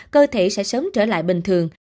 cơ thể sẽ sớm trở lại bình thường